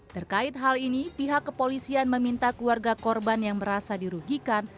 terkait hal ini pihak kepolisian meminta keluarga korban yang merasa dirugikan